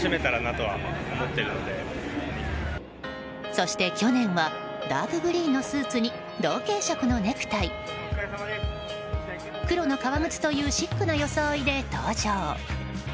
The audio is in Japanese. そして去年はダークグリーンのスーツに同系色のネクタイ黒の革靴というシックな装いで登場。